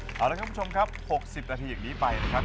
เอาละครับคุณผู้ชมครับ๖๐นาทีอย่างนี้ไปนะครับ